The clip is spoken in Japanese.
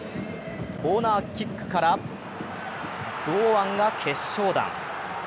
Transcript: コーナーキックから堂安が決勝弾。